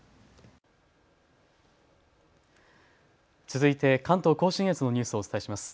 続いて、関東甲信越のニュースをお伝えします。